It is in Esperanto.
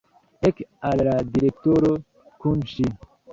Ek al la direktoro kun ŝi!